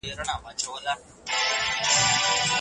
چي د کوم څه دپاره دى له خپله سره تېر سو